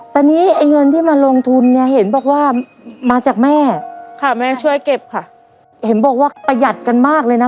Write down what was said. ตอนนี้ไอ้เงินที่มาลงทุนเนี่ยเห็นบอกว่ามาจากแม่ค่ะแม่ช่วยเก็บค่ะเห็นบอกว่าประหยัดกันมากเลยนะ